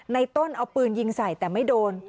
ในต้นเอาปืนยิงใส่แต่ไม่โดน